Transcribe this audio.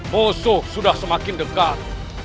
mosoh sudah semakin dekat